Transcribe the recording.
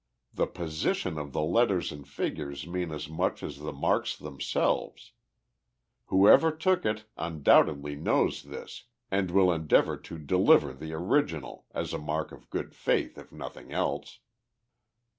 The position of the letters and figures mean as much as the marks themselves. Whoever took it undoubtedly knows this and will endeavor to deliver the original as a mark of good faith, if nothing else."